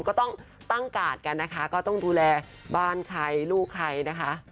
ก็ต้องตั้งกาดกันนะคะก็ต้องดูแลบ้านใครลูกใครนะคะ